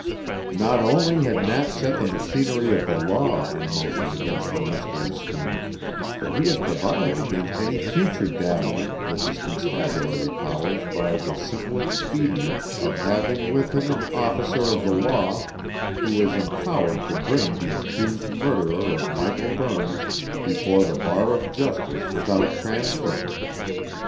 Not only had Nat set the machinery of the law in motion against the mystery schooner, but he had provided against any future dabbling with his constabulary powers by the simple expedient of having with him an officer of the law who was empowered to bring the accused murderer of Michael Burns before the bar of justice without transfer.